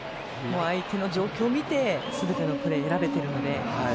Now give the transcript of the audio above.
相手の状況を見てすべてのプレーを選べてるので。